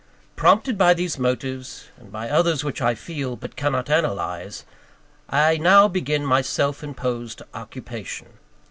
Prompted by these motives, and by others which I feel, but cannot analyse, I now begin my self imposed occupation.